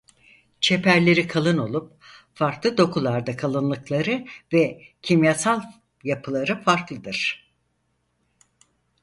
Çeperleri kalın olup farklı dokularda kalınlıkları ve kimyasal yapıları farklıdır.